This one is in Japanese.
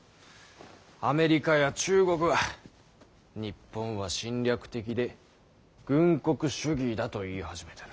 アメリカや中国は「日本は侵略的で軍国主義だ」と言い始めてる。